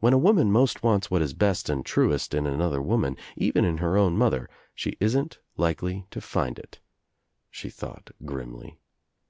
"When a woman most wants what is best and truest in another woman, even in her own mother, she isn't likely to find it," she thought grimly.